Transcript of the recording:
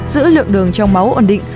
giữ lượng đường trong máu ổn định